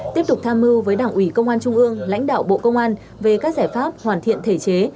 tiếp tục tham mưu với đảng ủy công an trung ương lãnh đạo bộ công an về các giải pháp hoàn thiện thể chế